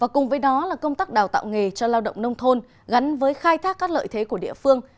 cùng với đó là công tác đào tạo nghề cho lao động nông thôn gắn với khai thác các lợi thế của địa phương